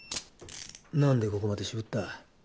何でここまで渋った？